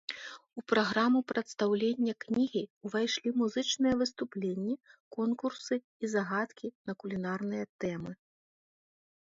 У праграму прадстаўлення кнігі ўвайшлі музычныя выступленні, конкурсы і загадкі на кулінарныя тэмы.